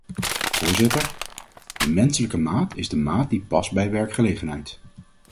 Voorzitter, de menselijke maat is de maat die past bij werkgelegenheid.